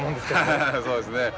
そうですね。